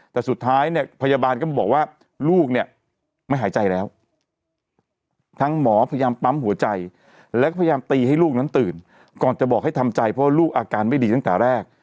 แต่สุดท้ายเนี่ยพยาบาลก็บอกว่าลูกเนี่ยไม่หายใจแล้วทั้งหมอพยายามปั๊มหัวใจแล้วก็พยายามตีให้ลูกนั้นตื่นก่อนจะบอกให้ทำใจเพราะลูกอาการไม่ดีตั้งแต่แรก